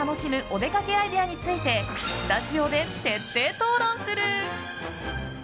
おでかけアイデアについてスタジオで徹底討論する。